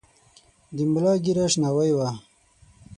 د ملا ږیره شناوۍ وه .